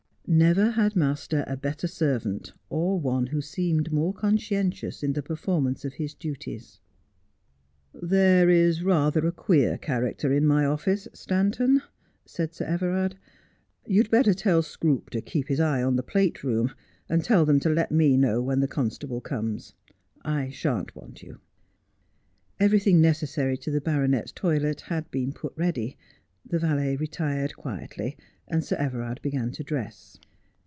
Never had master a better servant, or one who seemed more con"<iientiov;* in the performance of his duties. 'There is rathe ■/ :t queer character in my office, Stanton,' said Sir Everard. ' You d better tell Scroope to keep his eye upon the plate room, and tell them to let me know when the constable comes. I shan't want you.' Everything necessary to the baronet's toilet had been put ready. The valet retired quietly, and Sir Everard began to dress.